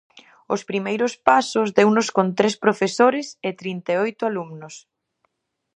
Os primeiros pasos deunos con tres profesores e trinta e oito alumnos.